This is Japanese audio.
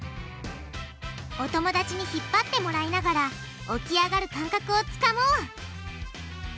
お友達に引っ張ってもらいながら起き上がる感覚をつかもう！